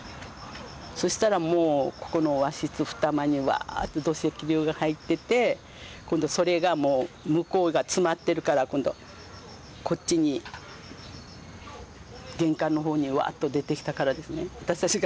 そうしたらもうここの和室二間にワーッて土石流が入っていて今度それがもう向こうが詰まっているから今度こっちに玄関の方にワッと出てきたからですね。